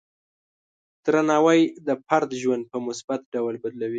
درناوی د فرد ژوند په مثبت ډول بدلوي.